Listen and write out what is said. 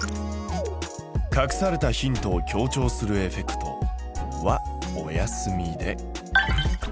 隠されたヒントを強調するエフェクトはお休みで。